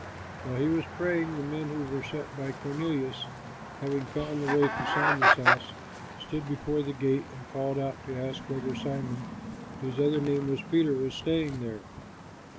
While he was praying, the men who were sent by Cornelius, having found the way to Simon's house, stood before the gate, and called out to ask whether Simon, whose other name was Peter, was staying there.